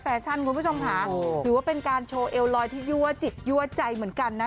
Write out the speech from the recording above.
คุณผู้ชมค่ะถือว่าเป็นการโชว์เอลลอยที่ยั่วจิตยั่วใจเหมือนกันนะ